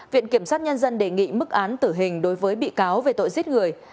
viện kiểm sát nhân dân đề nghị mức án tử hình đối với bị cáo về tội giết người